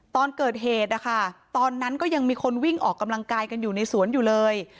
ตอนเกิดเหตุนะคะตอนนั้นก็ยังมีคนวิ่งออกกำลังกายกันอยู่ในสวนอยู่เลย